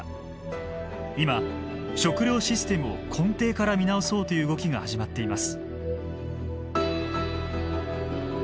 今食料システムを根底から見直そうという動きが始まっています。